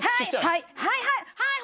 はいはいはいはい！